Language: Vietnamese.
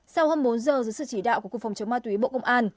sau hai mươi bốn h dưới sự chỉ đạo của cục phòng chống ma túy bộ công an